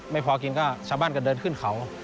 ไม่พอกินก็ชาวบ้านก็เดินขึ้นเขา